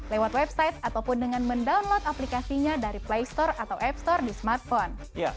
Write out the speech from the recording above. lewat website atau dengan download aplikasi dari play store atau app store di smartphone